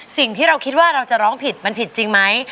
สิ่งที่เราคิดว่าเราจะร้องผิดมันผิดจริงไหม